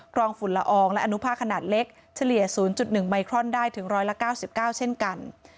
รองฝุ่นละอองและอนุภาคขนาดเล็กเฉลี่ย๐๑ไมครอนได้ถึง๑๙๙เช่นกัน